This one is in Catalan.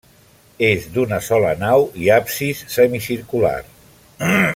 És d'una sola nau i absis semicircular.